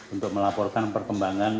untuk melaporkan perkembangan